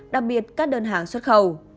đặc biệt các đơn hàng xuất khẩu